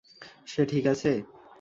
সে ঠিক আছে?